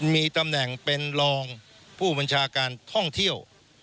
มีตำแหน่งเป็นรองผู้บัญชาการท่องเที่ยว